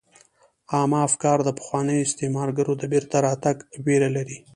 عامه افکار د پخوانیو استعمارګرو د بیرته راتګ ویره لري